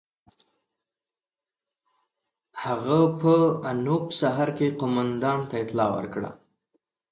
هغه په انوپ سهر کې قوماندان ته اطلاع ورکړه.